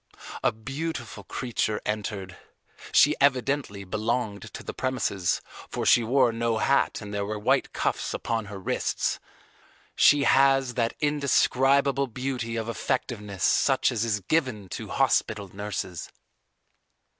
A beautiful creature entered. She evidently belonged to the premises, for she wore no hat and there were white cuffs upon her wrists. She has that indescribable beauty of effectiveness such as is given to hospital nurses.